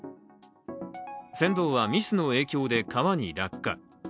船頭はミスの影響で川に落下。